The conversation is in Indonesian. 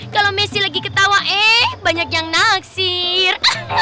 kalau messi lagi ketawa eh banyak yang naksir